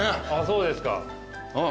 そうですか。